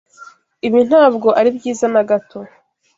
Ibi ntabwo ari byiza na gato.